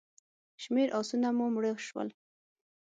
شمېر آسونه مو مړه شول.